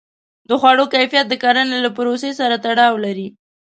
د خوړو کیفیت د کرنې له پروسې سره تړاو لري.